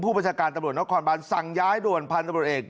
ประชาการตำรวจนครบานสั่งย้ายด่วนพันธุ์ตำรวจเอก